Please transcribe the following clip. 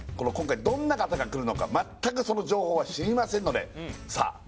今回どんな方が来るのか全くその情報は知りませんのでさあ